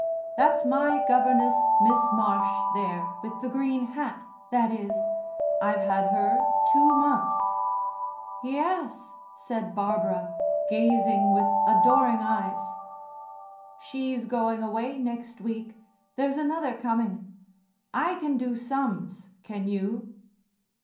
"That's my governess, Miss Marsh, there, with the green hat, that is. I've had her two months." "Yes," said Barbara, gazing with adoring eyes. "She's going away next week. There's another coming. I can do sums, can you?"